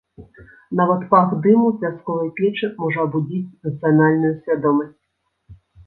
Нават пах дыму з вясковай печы можа абудзіць нацыянальную свядомасць.